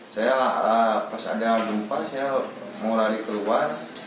saya pas ada abu pasnya mau lari keluar